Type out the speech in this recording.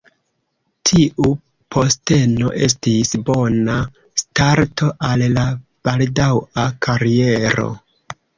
Tiu posteno estis bona starto al la baldaŭa kariero.